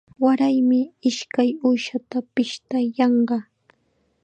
Waraymi ishkay uushata pishtayanqa.